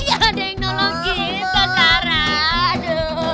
nggak ada yang nolong gitu sarah